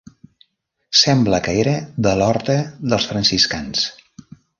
Sembla que era de l'orde dels franciscans.